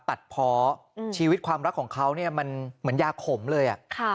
ตัดเพาะชีวิตความรักของเขาเนี่ยมันเหมือนยาขมเลย